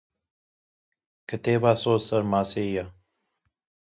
Kitêba sor li ser maseyê ye.